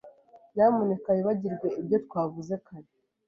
Nyamuneka wibagirwe ibyo twavuze kare.